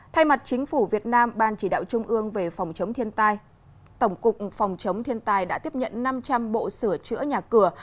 thay mặt chính phủ việt nam ban chỉ đạo trung ương về phòng chống thiên tai tổng cục phòng chống thiên tai đã tiếp nhận năm trăm linh bộ sửa chữa nhà cửa